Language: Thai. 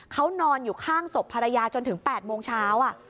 เขานอนอยู่ข้างศพภรรยาจนถึง๘โมงเช้า